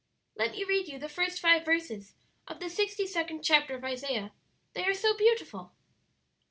"Let me read you the first five verses of the sixty second chapter of Isaiah they are so beautiful.